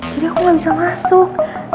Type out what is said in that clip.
jadi aku gak bisa masuk